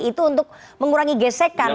itu untuk mengurangi gesekan